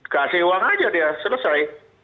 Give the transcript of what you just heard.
kasih uang aja dia selesai